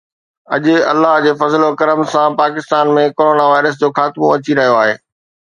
اڄ الله جي فضل و ڪرم سان پاڪستان ۾ ڪرونا وائرس جو خاتمو اچي رهيو آهي